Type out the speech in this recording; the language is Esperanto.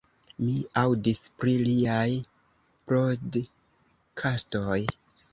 Mi aŭdis pri liaj podkastoj